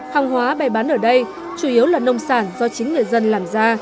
hàng hóa bày bán ở đây chủ yếu là nông sản do chính người dân làm ra